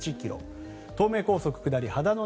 東名高速下り秦野